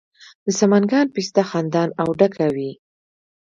د سمنګان پسته خندان او ډکه وي.